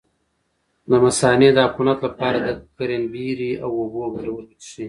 د مثانې د عفونت لپاره د کرینبیري او اوبو ګډول وڅښئ